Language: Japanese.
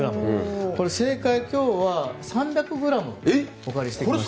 正解、今日は３００ｇお借りしてきました。